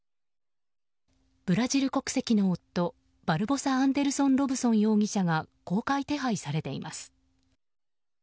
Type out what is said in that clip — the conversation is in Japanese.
ブラジル国籍の夫バルボサ・アンデルソン・ロブソン容疑者が公開手配されています。